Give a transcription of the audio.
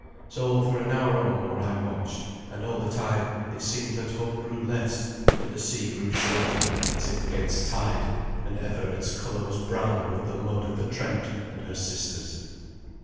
So for an hour or more I watched, and all the time it seemed that hope grew less, for the sea grew shorter, as if against tide, and ever its colour was browner with the mud of the Trent and her sisters.